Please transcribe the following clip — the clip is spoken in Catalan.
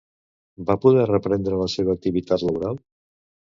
Va poder reprendre la seva activitat laboral?